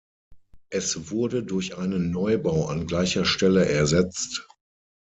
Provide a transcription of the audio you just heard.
Es wurde durch einen Neubau an gleicher Stelle ersetzt.